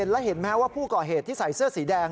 แล้วเห็นไหมว่าผู้ก่อเหตุที่ใส่เสื้อสีแดง